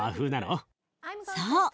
そう。